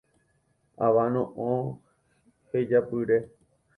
Avano'õ hejapyre.